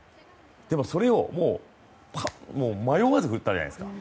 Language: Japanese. でも、迷わずに打ったじゃないですか。